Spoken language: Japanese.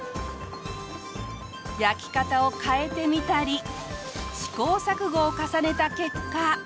焼き方を変えてみたり試行錯誤を重ねた結果。